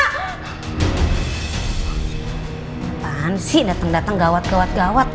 kenapa sih datang datang gawat gawat